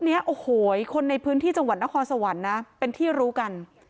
เนี้ยโอ้โหคนในพื้นที่จังหวัดนครสวรรค์นะเป็นที่รู้กัน